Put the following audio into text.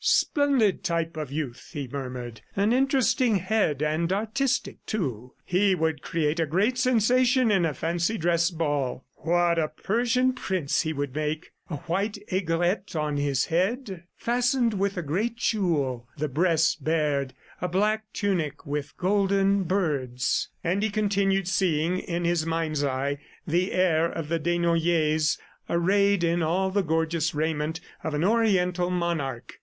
"Splendid type of youth," he murmured. "An interesting head, and artistic, too. He would create a great sensation in a fancy dress ball. What a Persian prince he would make! ... A white aigrette on his head, fastened with a great jewel, the breast bared, a black tunic with golden birds. ..." And he continued seeing in his mind's eye the heir of the Desnoyers arrayed in all the gorgeous raiment of an Oriental monarch.